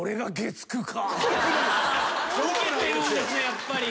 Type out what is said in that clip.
やっぱり。